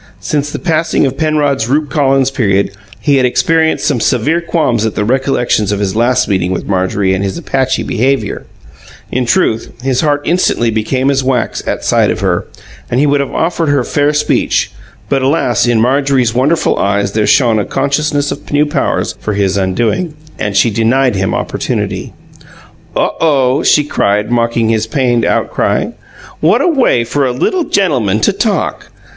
Since the passing of Penrod's Rupe Collins period he had experienced some severe qualms at the recollection of his last meeting with Marjorie and his Apache behaviour; in truth, his heart instantly became as wax at sight of her, and he would have offered her fair speech; but, alas! in Marjorie's wonderful eyes there shone a consciousness of new powers for his undoing, and she denied him opportunity. "Oh, OH!" she cried, mocking his pained outcry. "What a way for a LITTLE GENTLEMAN to talk!